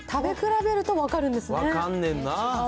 食べ比べると分かるんですね。